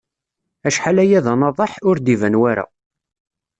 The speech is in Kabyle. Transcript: Acḥal aya d anaḍeḥ, ur d-iban wara.